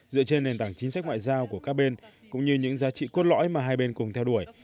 dựa trên nền tảng chính sách ngoại giao của các bên cũng như những giá trị cốt lõi mà hai bên cùng theo đuổi